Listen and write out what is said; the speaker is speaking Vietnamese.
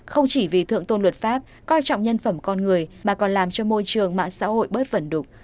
không chỉ vì thượng tôn luật pháp coi trọng nhân phẩm con người mà còn làm cho môi trường mạng xã hội bớt vẩn đục